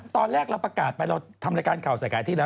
ตอนแรกเราประกาศไปเราทำรายการข่าวใส่กายที่แล้ว